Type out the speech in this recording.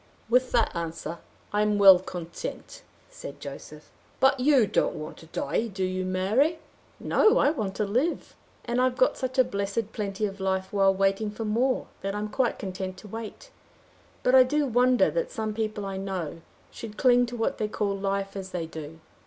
"With that answer I am well content," said Joseph. "But you don't want to die, do you, Mary?" "No; I want to live. And I've got such a blessed plenty of life while waiting for more, that I am quite content to wait. But I do wonder that some people I know, should cling to what they call life as they do.